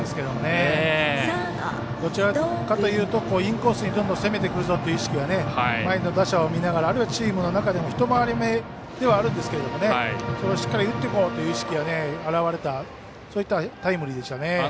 どちらかというとインコースにどんどん攻めてくるぞという意識は前の打者を見ながらあるいはチームの中でも１回り目ではあるんですけどしっかりと打っていこうという意識が表れた、そういったタイムリーでしたね。